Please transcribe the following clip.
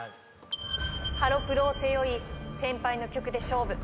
ハロプロを背負い先輩の曲で勝負。